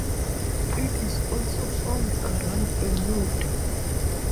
It is also found around Bermuda.